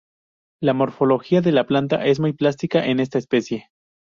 La morfología de la planta es muy plástica en esta especie.